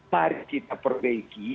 mari kita perbaiki